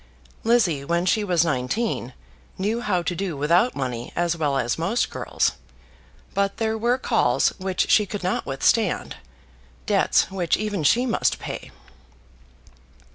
Lizzie when she was nineteen knew how to do without money as well as most girls; but there were calls which she could not withstand, debts which even she must pay.